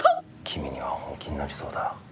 君には本気になりそうだ。